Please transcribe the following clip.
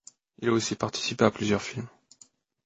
Il a aussi participé à plusieurs films.